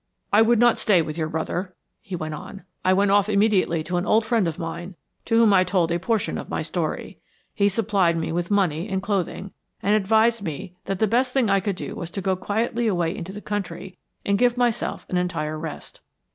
"I would not stay with your brother," he went on. "I went off immediately to an old friend of mine, to whom I told a portion of my story. He supplied me with money and clothing, and advised me that the best thing I could do was to go quietly away into the country and give myself an entire rest.